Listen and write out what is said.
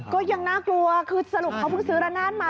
ก็ยังน่ากลัวคือสรุปเขาเพิ่งซื้อระนาดมา